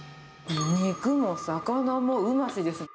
肉も魚もうましです。